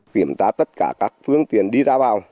kiểm tra tất cả các phương tiện đi ra vào